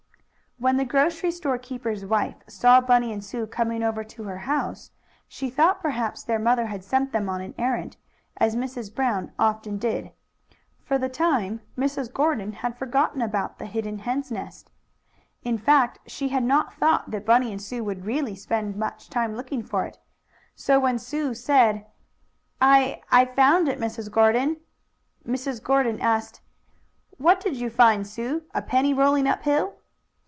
When the grocery store keeper's wife saw Bunny and Sue coming over to her house she thought perhaps their mother had sent them on an errand, as Mrs. Brown often did. For the time Mrs. Gordon had forgotten about the hidden hen's nest. In fact, she had not thought that Bunny and Sue would really spend much time looking for it. So when Sue said: "I I found it, Mrs. Gordon!" Mrs. Gordon asked: "What did you find, Sue, a penny rolling up hill?"